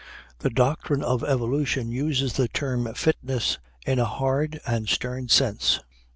The doctrine of evolution uses the term fitness in a hard and stern sense.